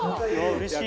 うれしい。